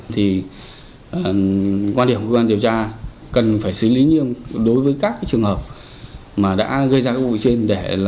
thì quan điểm của quan điều tra cần phải xử lý nhiệm đối với các trường hợp mà đã gây ra các vụ trên